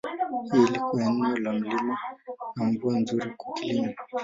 Hili lilikuwa eneo la milima na mvua nzuri kwa kilimo.